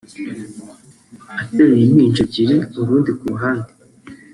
Ateruye impinja ebyiri urundi ku ruhande